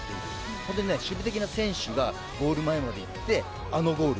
それで守備的な選手がゴール前まで行ってあのゴール。